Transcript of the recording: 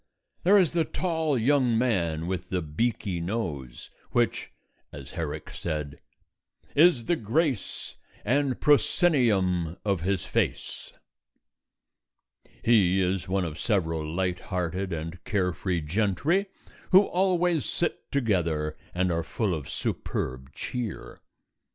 There is the tall young man with the beaky nose, which (as Herrick said) Is the grace And proscenium of his face. He is one of several light hearted and carefree gentry who always sit together and are full of superb cheer.